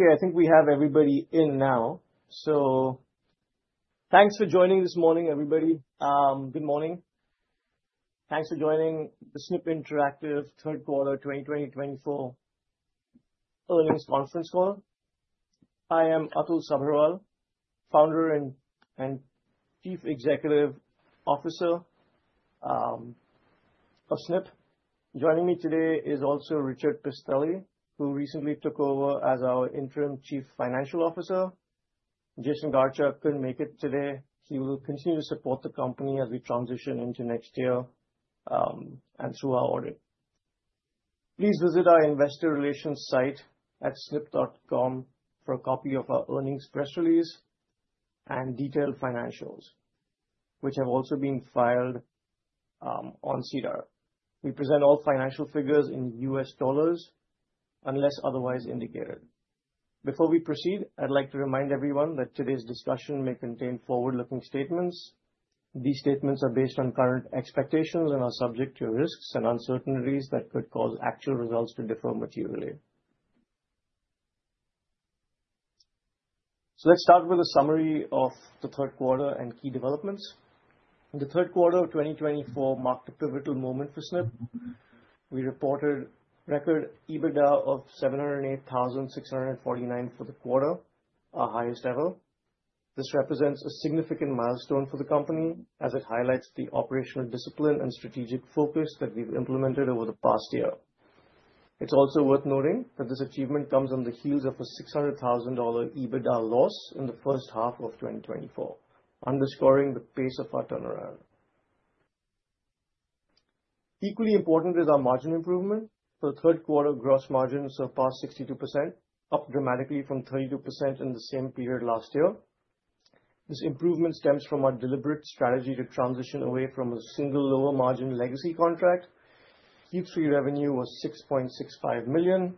Okay, I think we have everybody in now. So, thanks for joining this morning, everybody. Good morning. Thanks for joining the Snipp Interactive third quarter 2024 earnings conference call. I am Atul Sabharwal, Founder and Chief Executive Officer, of Snipp. Joining me today is also Richard Pistilli, who recently took over as our Interim Chief Financial Officer. Jaisun Garcha couldn't make it today. He will continue to support the company as we transition into next year, and through our audit. Please visit our Investor Relations site at snipp.com for a copy of our earnings press release and detailed financials, which have also been filed, on SEDAR+. We present all financial figures in U.S. dollars unless otherwise indicated. Before we proceed, I'd like to remind everyone that today's discussion may contain forward-looking statements. These statements are based on current expectations and are subject to risks and uncertainties that could cause actual results to differ materially. So, let's start with a summary of the third quarter and key developments. The third quarter of 2024 marked a pivotal moment for Snipp. We reported record EBITDA of $708,649 for the quarter, our highest ever. This represents a significant milestone for the company, as it highlights the operational discipline and strategic focus that we've implemented over the past year. It's also worth noting that this achievement comes on the heels of a $600,000 EBITDA loss in the first half of 2024, underscoring the pace of our turnaround. Equally important is our margin improvement. For the third quarter, gross margins surpassed 62%, up dramatically from 32% in the same period last year. This improvement stems from our deliberate strategy to transition away from a single lower-margin legacy contract. Q3 revenue was $6.65 million,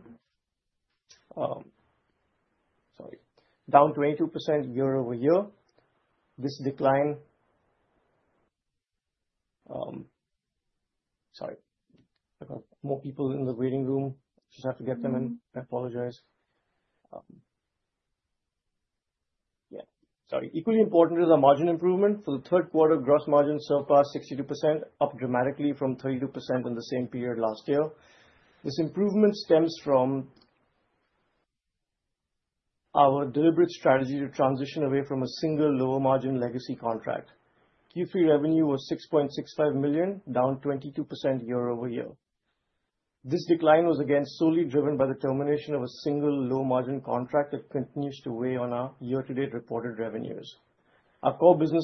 down 22% year-over-year. This decline was solely driven by the termination of a single low-margin contract that continues to weigh on our year-to-date reported revenues. Equally important is our margin improvement. For the third quarter, gross margins surpassed 62%, up dramatically from 32% in the same period last year. This improvement stems from our deliberate strategy to transition away from a single lower-margin legacy contract. Our core business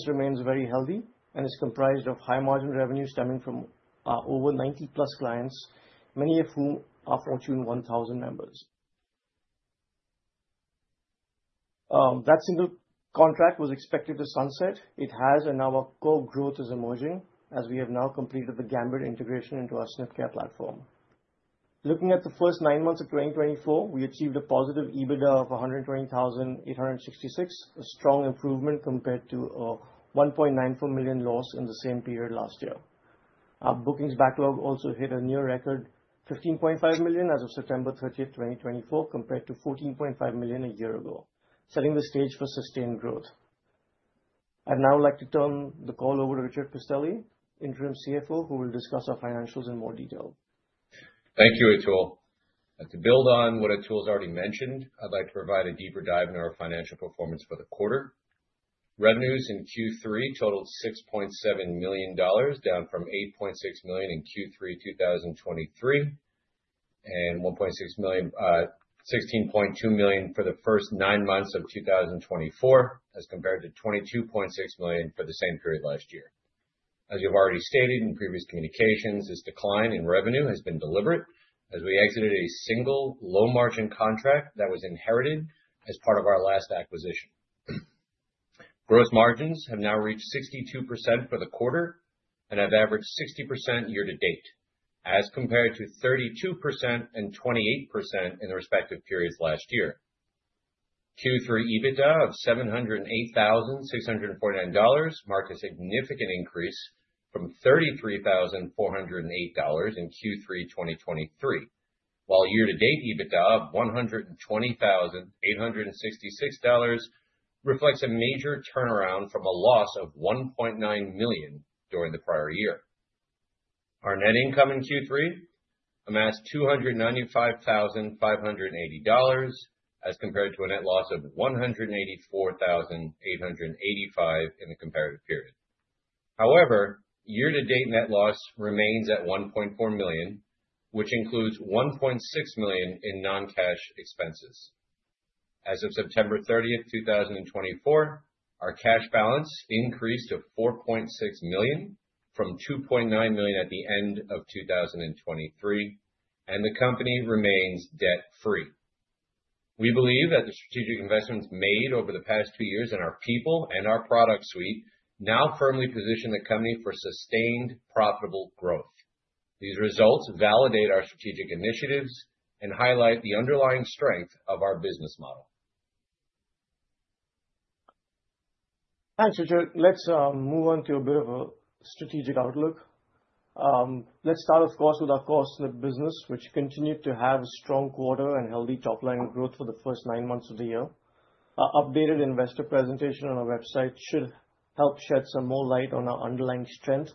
remains very healthy and is comprised of high-margin revenue stemming from over 90+ clients, many of whom are Fortune 1000 members. That single contract was expected to sunset. It has, and our core growth is emerging as we have now completed the Gambit integration into our SnippCARE platform. Looking at the first nine months of 2024, we achieved a positive EBITDA of $120,866, a strong improvement compared to a $1.94 million loss in the same period last year. Our bookings backlog also hit a new record, $15.5 million as of September 30th, 2024, compared to $14.5 million a year ago, setting the stage for sustained growth. I'd now like to turn the call over to Richard Pistilli, Interim CFO, who will discuss our financials in more detail. Thank you, Atul. To build on what Atul's already mentioned, I'd like to provide a deeper dive into our financial performance for the quarter. Revenues in Q3 totaled $6.7 million, down from $8.6 million in Q3 2023, and $16.2 million for the first nine months of 2024, as compared to $22.6 million for the same period last year. As you've already stated in previous communications, this decline in revenue has been deliberate as we exited a single low-margin contract that was inherited as part of our last acquisition. Gross margins have now reached 62% for the quarter and have averaged 60% year-to-date, as compared to 32% and 28% in the respective periods last year. Q3 EBITDA of $708,649 marked a significant increase from $33,408 in Q3 2023, while year-to-date EBITDA of $120,866 reflects a major turnaround from a loss of $1.9 million during the prior year. Our net income in Q3 amassed $295,580 as compared to a net loss of $184,885 in the comparative period. However, year-to-date net loss remains at $1.4 million, which includes $1.6 million in non-cash expenses. As of September 30th, 2024, our cash balance increased to $4.6 million from $2.9 million at the end of 2023, and the company remains debt-free. We believe that the strategic investments made over the past two years in our people and our product suite now firmly position the company for sustained profitable growth. These results validate our strategic initiatives and highlight the underlying strength of our business model. Thanks, Richard. Let's move on to a bit of a strategic outlook. Let's start, of course, with our core Snipp business, which continued to have a strong quarter and healthy top-line growth for the first nine months of the year. Our updated investor presentation on our website should help shed some more light on our underlying strength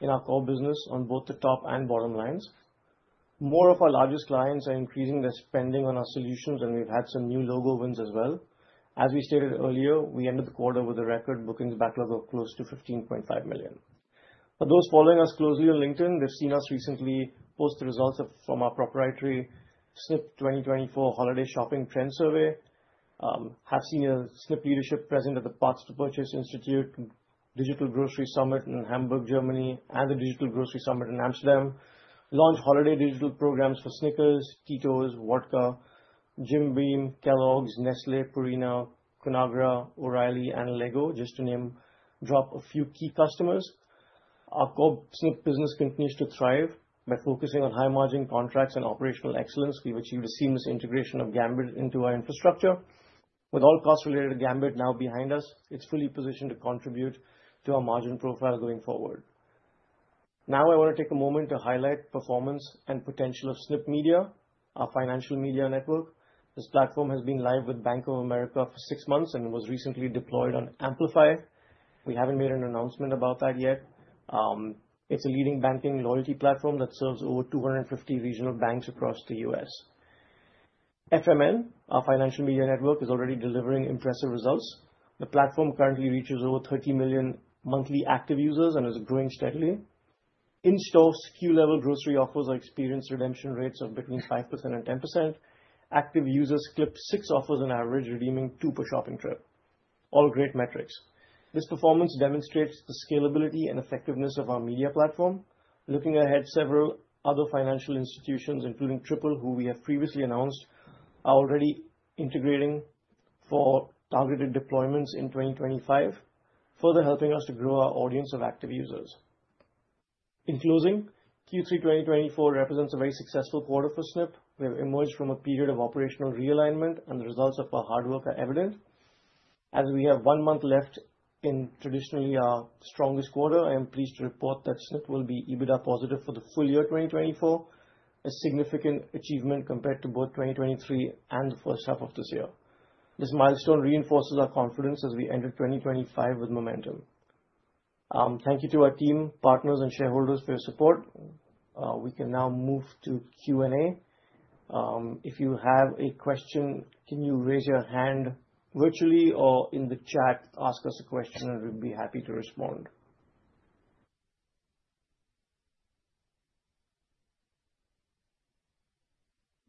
in our core business on both the top and bottom lines. More of our largest clients are increasing their spending on our solutions, and we've had some new logo wins as well. As we stated earlier, we ended the quarter with a record bookings backlog of close to $15.5 million. For those following us closely on LinkedIn, they've seen us recently post the results of our proprietary Snipp 2024 holiday shopping trend survey. have seen Snipp leadership present at the Path to Purchase Institute, Digital Grocery Summit in Hamburg, Germany, and the Digital Grocery Summit in Amsterdam. Launch holiday digital programs for Snickers, Tito's Vodka, Jim Beam, Kellogg's, Nestlé, Purina, Conagra, O'Reilly, and LEGO, just to name drop a few key customers. Our core Snipp business continues to thrive by focusing on high-margin contracts and operational excellence. We've achieved a seamless integration of Gambit into our infrastructure. With all costs related to Gambit now behind us, it's fully positioned to contribute to our margin profile going forward. Now, I want to take a moment to highlight the performance and potential of Snipp Media, our Financial Media Network. This platform has been live with Bank of America for six months and was recently deployed on AmpliFI. We haven't made an announcement about that yet. It's a leading banking loyalty platform that serves over 250 regional banks across the U.S. FMN, our Financial Media Network, is already delivering impressive results. The platform currently reaches over 30 million monthly active users and is growing steadily. In-store, SKU-level grocery offers are experiencing redemption rates of between 5% and 10%. Active users clip six offers on average, redeeming two per shopping trip. All great metrics. This performance demonstrates the scalability and effectiveness of our media platform. Looking ahead, several other financial institutions, including Triple, who we have previously announced, are already integrating for targeted deployments in 2025, further helping us to grow our audience of active users. In closing, Q3 2024 represents a very successful quarter for Snipp. We have emerged from a period of operational realignment, and the results of our hard work are evident. As we have one month left in traditionally our strongest quarter, I am pleased to report that Snipp will be EBITDA positive for the full year 2024, a significant achievement compared to both 2023 and the first half of this year. This milestone reinforces our confidence as we enter 2025 with momentum. Thank you to our team, partners, and shareholders for your support. We can now move to Q&A. If you have a question, can you raise your hand virtually or in the chat, ask us a question, and we'd be happy to respond.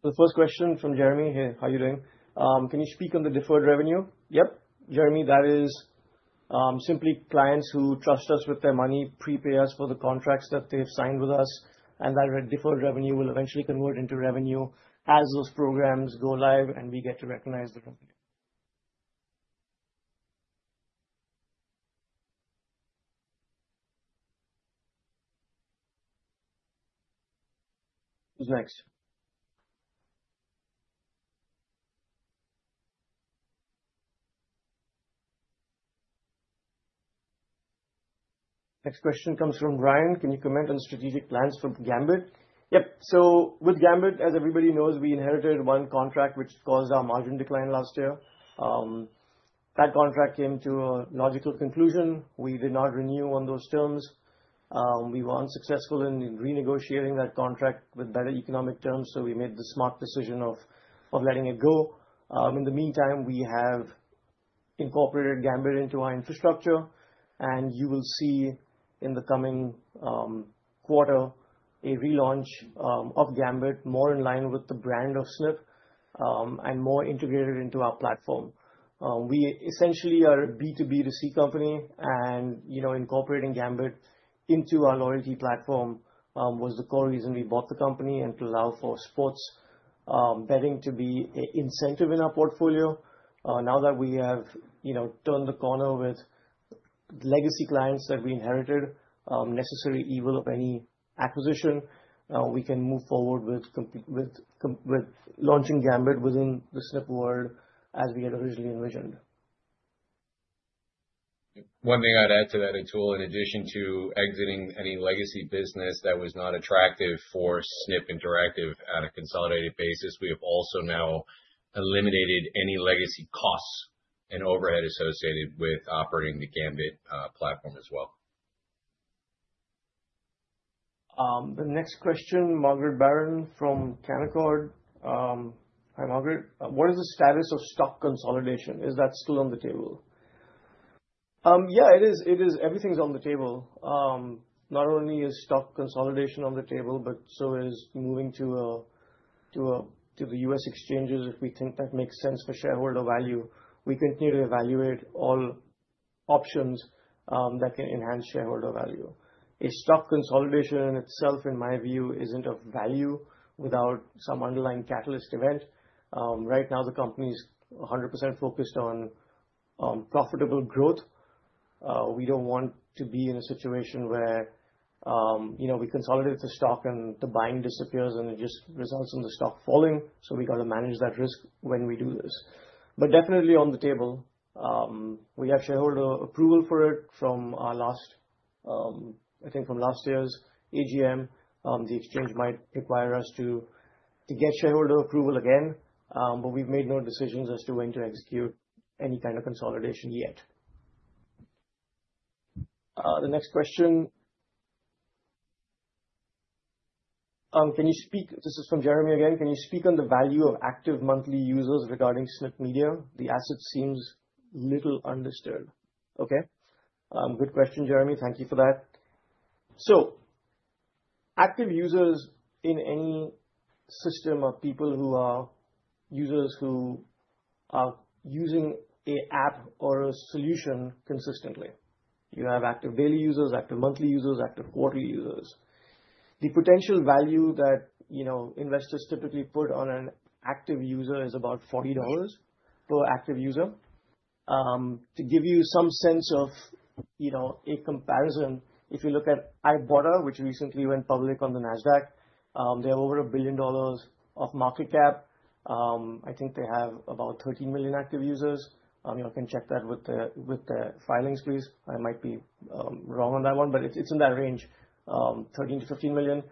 The first question from Jeremy. Hey, how are you doing? Can you speak on the deferred revenue? Yep. Jeremy, that is, simply clients who trust us with their money, prepay us for the contracts that they've signed with us, and that deferred revenue will eventually convert into revenue as those programs go live and we get to recognize the revenue. Who's next? Next question comes from Brian. Can you comment on strategic plans for Gambit? Yep. So, with Gambit, as everybody knows, we inherited one contract which caused our margin decline last year. That contract came to a logical conclusion. We did not renew on those terms. We were unsuccessful in renegotiating that contract with better economic terms, so we made the smart decision of letting it go. In the meantime, we have incorporated Gambit into our infrastructure, and you will see in the coming quarter a relaunch of Gambit, more in line with the brand of Snipp, and more integrated into our platform. We essentially are a B2B2C company, and, you know, incorporating Gambit into our loyalty platform, was the core reason we bought the company and to allow for sports betting to be an incentive in our portfolio. Now that we have, you know, turned the corner with legacy clients that we inherited, necessary evil of any acquisition, we can move forward with launching Gambit within the Snipp world as we had originally envisioned. One thing I'd add to that, Atul, in addition to exiting any legacy business that was not attractive for Snipp Interactive on a consolidated basis, we have also now eliminated any legacy costs and overhead associated with operating the Gambit platform as well. The next question, Margaret Barron from Canaccord. Hi, Margaret. What is the status of stock consolidation? Is that still on the table? Yeah, it is. It is. Everything's on the table. Not only is stock consolidation on the table, but so is moving to the U.S. exchanges, if we think that makes sense for shareholder value. We continue to evaluate all options that can enhance shareholder value. A stock consolidation in itself, in my view, isn't of value without some underlying catalyst event. Right now, the company's 100% focused on profitable growth. We don't want to be in a situation where, you know, we consolidate the stock and the buying disappears, and it just results in the stock falling. So we got to manage that risk when we do this. But definitely on the table, we have shareholder approval for it from our last, I think from last year's AGM. The exchange might require us to get shareholder approval again, but we've made no decisions as to when to execute any kind of consolidation yet. The next question. Can you speak? This is from Jeremy again. Can you speak on the value of active monthly users regarding Snipp Media? The asset seems little understood. Okay. Good question, Jeremy. Thank you for that. So, active users in any system are people who are users who are using an app or a solution consistently. You have active daily users, active monthly users, active quarterly users. The potential value that, you know, investors typically put on an active user is about $40 per active user. To give you some sense of, you know, a comparison, if you look at Ibotta, which recently went public on the NASDAQ, they have over $1 billion of market cap. I think they have about 13 million active users. You can check that with the filings, please. I might be wrong on that one, but it's in that range, 13-15 million.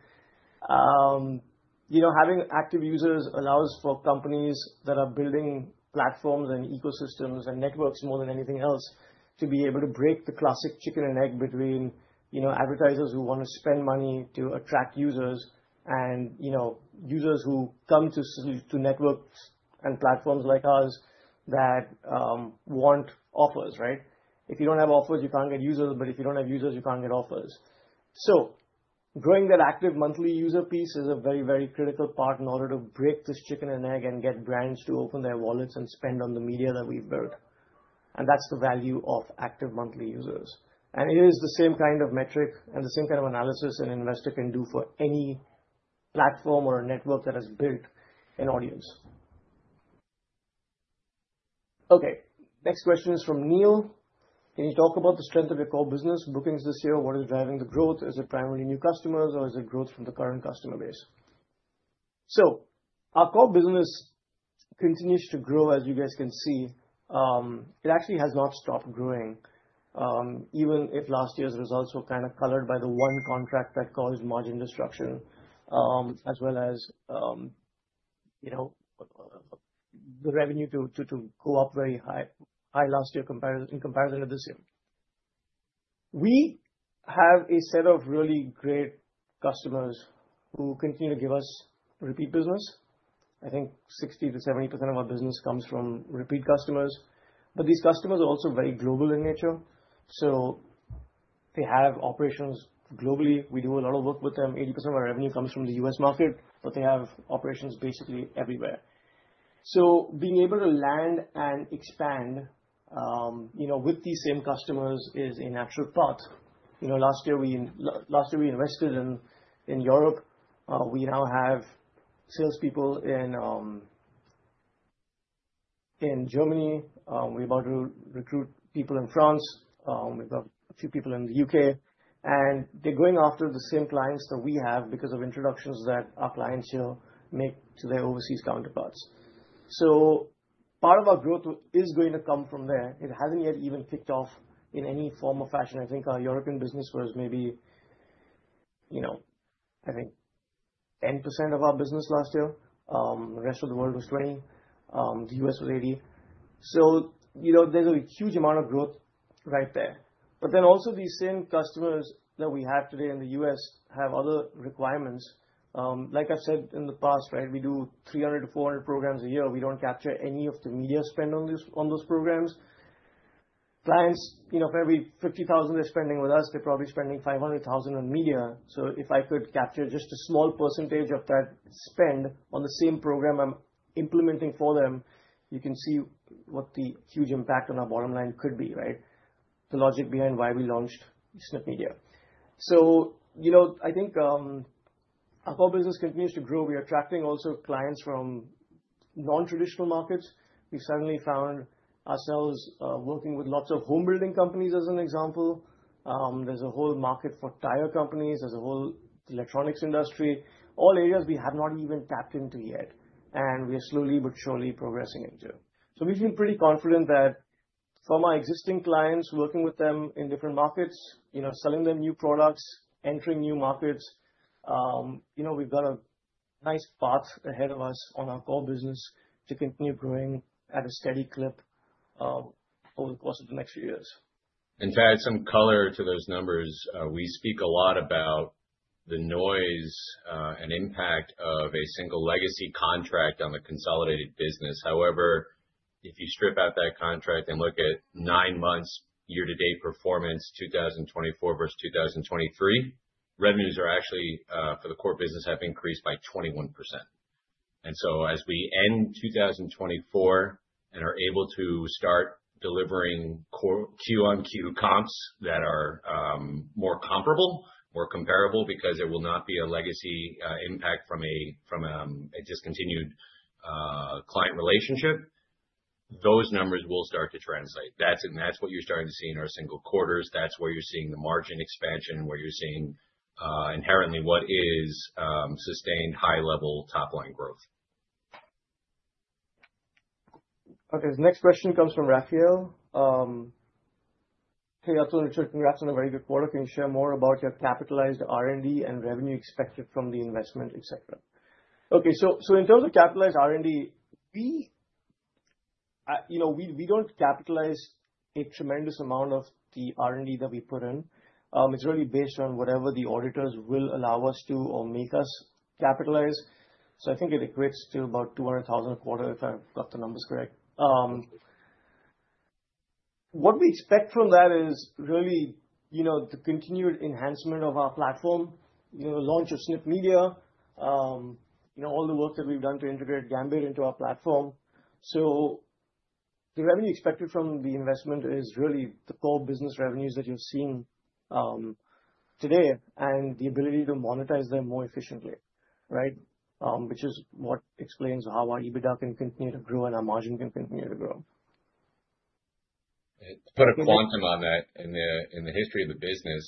You know, having active users allows for companies that are building platforms and ecosystems and networks more than anything else to be able to break the classic chicken and egg between, you know, advertisers who want to spend money to attract users and, you know, users who come to networks and platforms like ours that want offers, right? If you don't have offers, you can't get users, but if you don't have users, you can't get offers. Growing that active monthly user piece is a very, very critical part in order to break this chicken and egg and get brands to open their wallets and spend on the media that we've built. That's the value of active monthly users. It is the same kind of metric and the same kind of analysis an investor can do for any platform or a network that has built an audience. Okay. Next question is from Neil. Can you talk about the strength of your core business bookings this year? What is driving the growth? Is it primarily new customers, or is it growth from the current customer base? Our core business continues to grow, as you guys can see. It actually has not stopped growing, even if last year's results were kind of colored by the one contract that caused margin destruction, as well as, you know, the revenue to go up very high last year in comparison to this year. We have a set of really great customers who continue to give us repeat business. I think 60%-70% of our business comes from repeat customers, but these customers are also very global in nature. So, they have operations globally. We do a lot of work with them. 80% of our revenue comes from the U.S. market, but they have operations basically everywhere. So, being able to land and expand, you know, with these same customers is a natural path. You know, last year we invested in Europe. We now have salespeople in Germany. We're about to recruit people in France. We've got a few people in the U.K., and they're going after the same clients that we have because of introductions that our clients here make to their overseas counterparts. So, part of our growth is going to come from there. It hasn't yet even kicked off in any form or fashion. I think our European business was maybe, you know, I think 10% of our business last year. The rest of the world was 20%. The U.S. was 80%. So, you know, there's a huge amount of growth right there. But then also these same customers that we have today in the U.S. have other requirements. Like I've said in the past, right, we do 300-400 programs a year. We don't capture any of the media spend on these on those programs. Clients, you know, for every $50,000 they're spending with us, they're probably spending $500,000 on media. So if I could capture just a small percentage of that spend on the same program I'm implementing for them, you can see what the huge impact on our bottom line could be, right? The logic behind why we launched Snipp Media. You know, I think our core business continues to grow. We are attracting also clients from non-traditional markets. We've suddenly found ourselves working with lots of home-building companies as an example. There's a whole market for tire companies. There's a whole electronics industry, all areas we have not even tapped into yet, and we are slowly but surely progressing into. So, we've been pretty confident that for my existing clients, working with them in different markets, you know, selling them new products, entering new markets, you know, we've got a nice path ahead of us on our core business to continue growing at a steady clip, over the course of the next few years. To add some color to those numbers, we speak a lot about the noise and impact of a single legacy contract on the consolidated business. However, if you strip out that contract and look at nine months year-to-date performance, 2024 versus 2023, revenues are actually for the core business have increased by 21%. So, as we end 2024 and are able to start delivering core Q-on-Q comps that are more comparable, because there will not be a legacy impact from a discontinued client relationship, those numbers will start to translate. That's what you're starting to see in our single quarters. That's where you're seeing the margin expansion, where you're seeing inherently what is sustained high-level top-line growth. Okay. The next question comes from Rafael. Hey, Atul, Richard, congrats on a very good quarter. Can you share more about your capitalized R&D and revenue expected from the investment, etc.? Okay. So, in terms of capitalized R&D, we, you know, we don't capitalize a tremendous amount of the R&D that we put in. It's really based on whatever the auditors will allow us to or make us capitalize. So, I think it equates to about $200,000 a quarter, if I've got the numbers correct. What we expect from that is really, you know, the continued enhancement of our platform, you know, the launch of Snipp Media, you know, all the work that we've done to integrate Gambit into our platform. So, the revenue expected from the investment is really the core business revenues that you're seeing today and the ability to monetize them more efficiently, right? which is what explains how our EBITDA can continue to grow and our margin can continue to grow. To put a quantum on that, in the history of the business,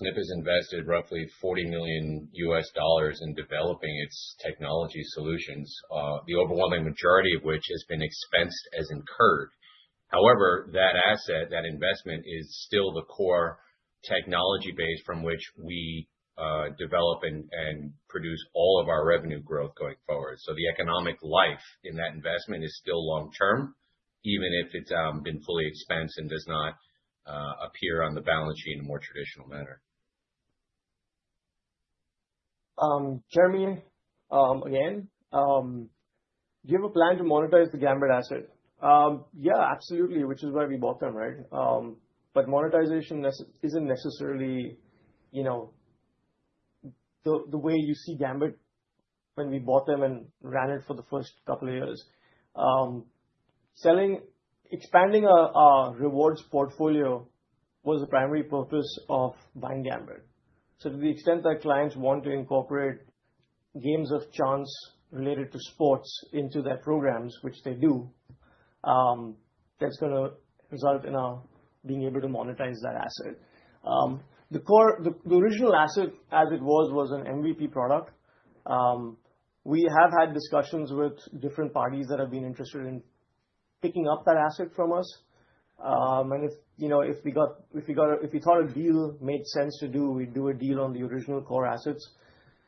Snipp has invested roughly $40 million in developing its technology solutions, the overwhelming majority of which has been expensed as incurred. However, that asset, that investment, is still the core technology base from which we develop and produce all of our revenue growth going forward. So, the economic life in that investment is still long-term, even if it's been fully expensed and does not appear on the balance sheet in a more traditional manner. Jeremy, again, do you have a plan to monetize the Gambit asset? Yeah, absolutely, which is why we bought them, right, but monetization isn't necessarily, you know, the way you see Gambit when we bought them and ran it for the first couple of years, selling expanding a rewards portfolio was the primary purpose of buying Gambit, so to the extent that clients want to incorporate games of chance related to sports into their programs, which they do, that's going to result in our being able to monetize that asset. The core original asset as it was an MVP product. We have had discussions with different parties that have been interested in picking up that asset from us, and if, you know, if we thought a deal made sense to do, we'd do a deal on the original core assets.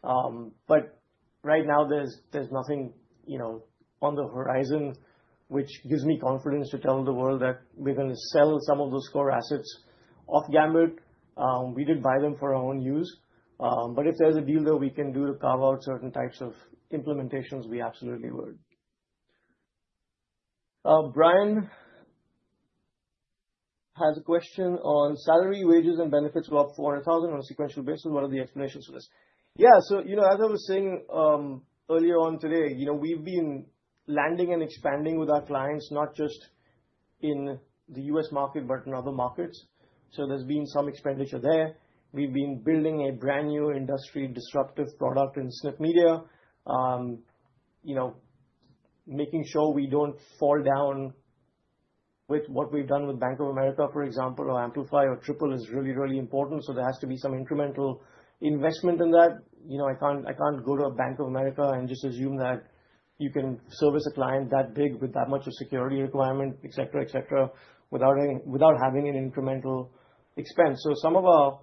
But right now, there's nothing, you know, on the horizon which gives me confidence to tell the world that we're going to sell some of those core assets off Gambit. We did buy them for our own use. But if there's a deal that we can do to carve out certain types of implementations, we absolutely would. Brian has a question on salary, wages, and benefits go up $400,000 on a sequential basis. What are the explanations for this? Yeah. So, you know, as I was saying earlier on today, you know, we've been landing and expanding with our clients, not just in the U.S. market, but in other markets. So, there's been some expenditure there. We've been building a brand new industry disruptive product in Snipp Media, you know, making sure we don't fall down with what we've done with Bank of America, for example, or AmpliFI or Triple is really, really important. So, there has to be some incremental investment in that. You know, I can't go to a Bank of America and just assume that you can service a client that big with that much of security requirement, etc., etc., without having an incremental expense. So, some of our,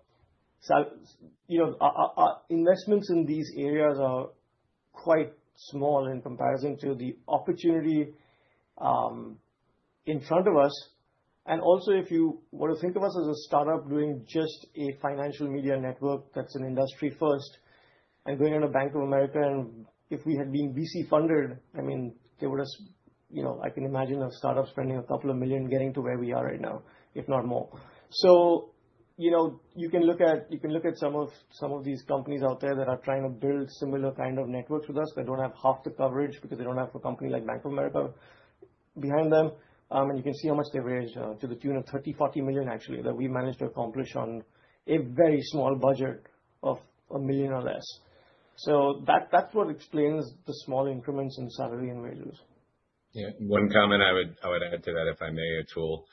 you know, our investments in these areas are quite small in comparison to the opportunity in front of us. And also, if you were to think of us as a startup doing just a Financial Media Network that's an industry first and going on a Bank of America, and if we had been VC funded, I mean, there would have, you know, I can imagine a startup spending a couple of million getting to where we are right now, if not more. So, you know, you can look at some of these companies out there that are trying to build similar kind of networks with us that don't have half the coverage because they don't have a company like Bank of America behind them. And you can see how much they've raised, to the tune of 30-40 million, actually, that we've managed to accomplish on a very small budget of a million or less. That's what explains the small increments in salary and wages. Yeah. One comment I would add to that, if I may, Atul.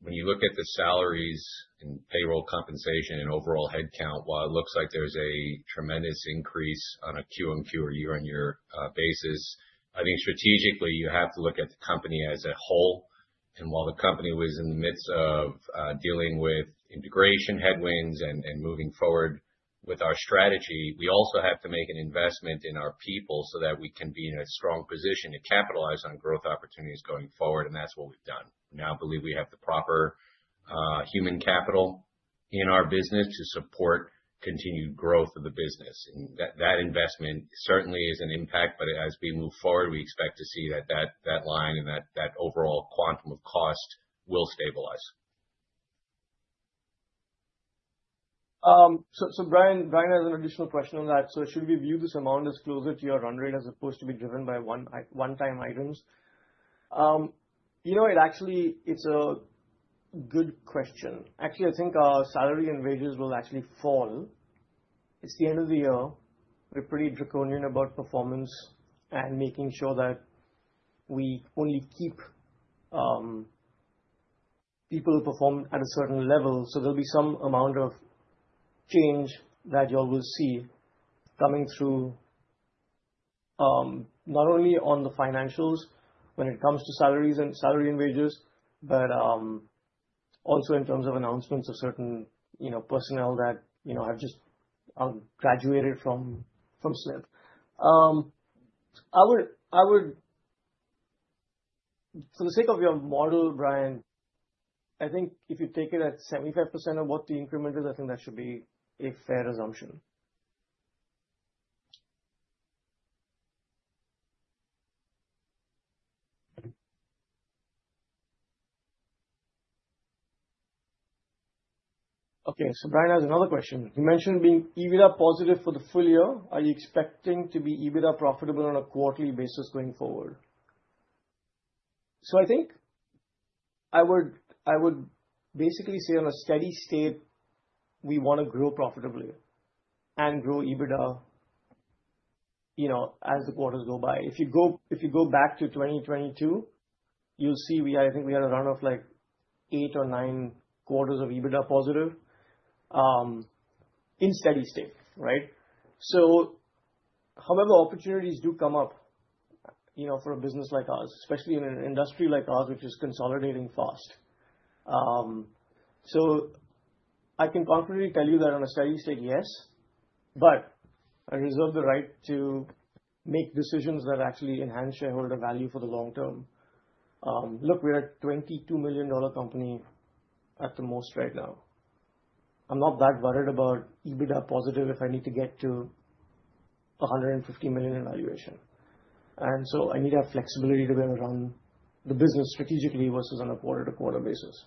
When you look at the salaries and payroll compensation and overall headcount, while it looks like there's a tremendous increase on a Q-on-Q or year-on-year basis, I think strategically you have to look at the company as a whole. And while the company was in the midst of dealing with integration headwinds and moving forward with our strategy, we also have to make an investment in our people so that we can be in a strong position to capitalize on growth opportunities going forward. And that's what we've done. We now believe we have the proper human capital in our business to support continued growth of the business. And that investment certainly is an impact, but as we move forward, we expect to see that line and that overall quantum of cost will stabilize. So Brian has an additional question on that. So, should we view this amount as closer to your run rate as opposed to be driven by one-time items? You know, actually, it's a good question. Actually, I think our salary and wages will actually fall. It's the end of the year. We're pretty draconian about performance and making sure that we only keep people who perform at a certain level. So, there'll be some amount of change that you'll see coming through, not only on the financials when it comes to salaries and salary and wages, but also in terms of announcements of certain, you know, personnel that, you know, have just graduated from Snipp. I would, for the sake of your model, Brian, I think if you take it at 75% of what the increment is, I think that should be a fair assumption. Okay. So, Brian has another question. You mentioned being EBITDA positive for the full year. Are you expecting to be EBITDA profitable on a quarterly basis going forward? So, I think I would basically say on a steady state, we want to grow profitably and grow EBITDA, you know, as the quarters go by. If you go back to 2022, you'll see we, I think, we had a run of like eight or nine quarters of EBITDA positive, in steady state, right? So, however, opportunities do come up, you know, for a business like ours, especially in an industry like ours, which is consolidating fast. So I can confidently tell you that on a steady state, yes, but I reserve the right to make decisions that actually enhance shareholder value for the long term. Look, we're a $22 million company at the most right now. I'm not that worried about EBITDA positive if I need to get to $150 million in valuation. I need to have flexibility to be able to run the business strategically versus on a quarter-to-quarter basis.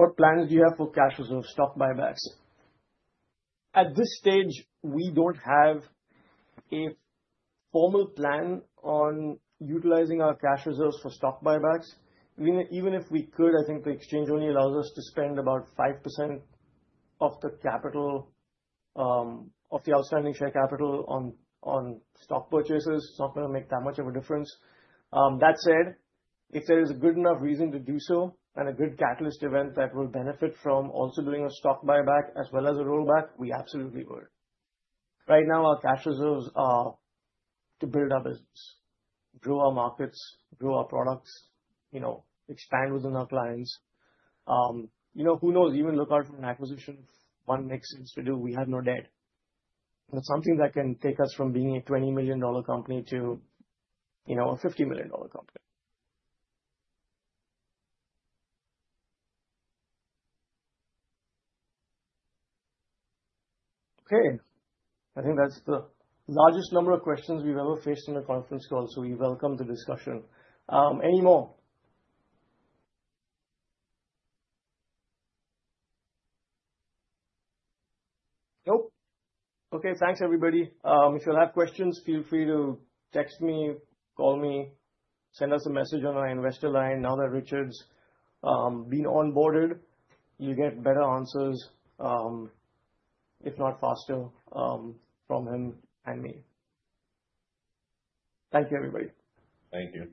What plans do you have for cash reserves, stock buybacks? At this stage, we don't have a formal plan on utilizing our cash reserves for stock buybacks. Even if we could, I think the exchange only allows us to spend about 5% of the capital, of the outstanding share capital on stock purchases. It's not going to make that much of a difference. That said, if there is a good enough reason to do so and a good catalyst event that will benefit from also doing a stock buyback as well as a rollback, we absolutely would. Right now, our cash reserves are to build our business, grow our markets, grow our products, you know, expand within our clients. You know, who knows? Even look out for an acquisition one makes sense to do. We have no debt. That's something that can take us from being a $20 million company to, you know, a $50 million company. Okay. I think that's the largest number of questions we've ever faced in a conference call. So, we welcome the discussion. Any more? Nope. Okay. Thanks, everybody. If you'll have questions, feel free to text me, call me, send us a message on our investor line. Now that Richard's been onboarded, you'll get better answers, if not faster, from him and me. Thank you, everybody. Thank you.